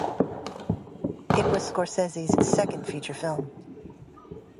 It was Scorsese's second feature film.